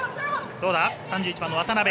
どうだ、３１番の渡辺。